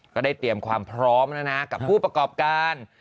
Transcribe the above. ก็ได้เตรียมความพร้อมแล้วนะกับผู้ประกอบการ